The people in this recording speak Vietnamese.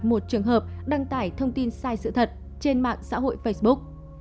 một trường hợp đăng tải thông tin sai sự thật trên mạng xã hội facebook